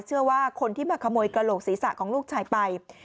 เชื่อว่าคนที่มาขโมยกระโหลกศีรษะของลูกชายไป